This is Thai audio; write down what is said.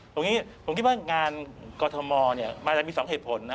ผมคิดว่างานกรณมมาจากนั้นมี๒เหตุผลนะ